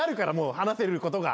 話せることが。